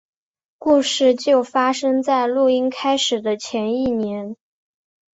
故事就发生在录音开始的前一年。